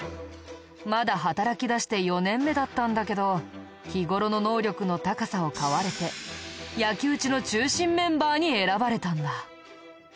まだ働きだして４年目だったんだけど日頃の能力の高さを買われて焼き討ちの中心メンバーに選ばれたんだ。